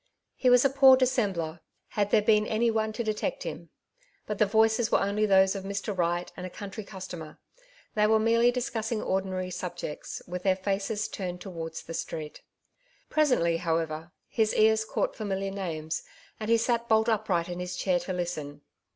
He was a poor dissembler, bad there been any one to detect him ; but the voices were only those of Mr. Wright and a country cus tomer ; they were merely discussing ordinary subjects with their faces turned towards the street. Presently, however, his ears caught familiar names, and he sat bolt upright in his chair to listen.